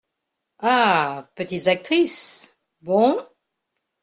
Ah ! petites actrices !… bon !…